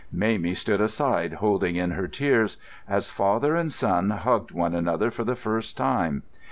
Mamie stood aside holding in her tears, as father and son hugged one another for the first time.